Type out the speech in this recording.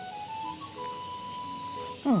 うん。